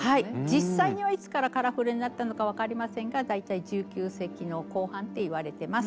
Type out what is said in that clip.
実際にはいつからカラフルになったのか分かりませんが大体１９世紀の後半っていわれてます。